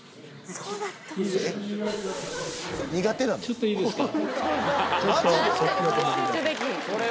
ちょっといいですか？